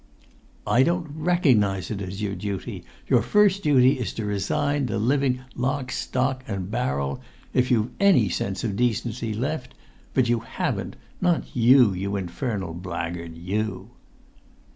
"I don't recognise it as your duty. Your first duty is to resign the living lock stock and barrel—if you've any sense of decency left; but you haven't—not you, you infernal blackguard, you!"